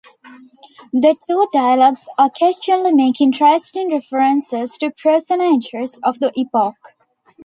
The two dialogues occasionally make interesting references to personages of the epoch.